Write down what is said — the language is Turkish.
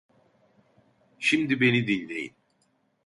Şimdi beni dinleyin.